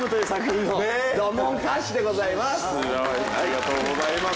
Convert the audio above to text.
ありがとうございます。